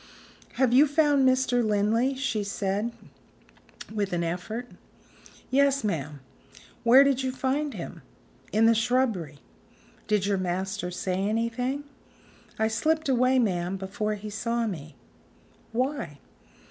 "Have you found Mr. Linley?" she said with an effort. "Yes, ma'am." "Where did you find him?" "In the shrubbery." "Did your master say anything?" "I slipped away, ma'am, before he saw me." "Why?"